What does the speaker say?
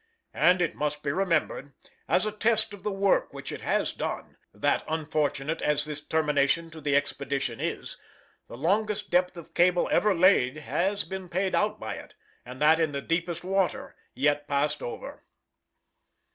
And it must be remembered, as a test of the work which it has done, that unfortunate as this termination to the expedition is, the longest length of cable ever laid has been paid out by it, and that in the deepest water yet passed over.